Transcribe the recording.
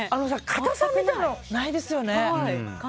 硬さみたいなのもないですよね。